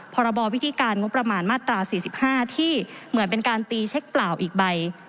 พรบวิธีการงบประมาณมาตรา๔๕ที่เหมือนเป็นการตีเช็คเปล่าอีกใบ